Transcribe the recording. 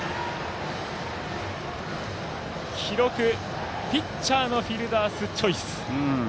記録、ピッチャーのフィルダースチョイス。